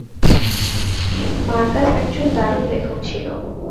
Marcus একজন দারুণ লেখক ছিল।